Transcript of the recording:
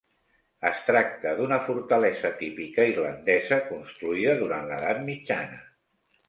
Es tracta d'una fortalesa típica irlandesa construïda durant l'edat mitjana.